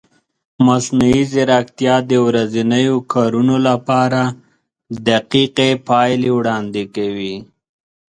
مصنوعي ځیرکتیا د ورځنیو کارونو لپاره دقیقې پایلې وړاندې کوي.